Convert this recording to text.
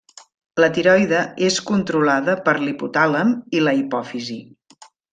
La tiroide és controlada per l'hipotàlem i la hipòfisi.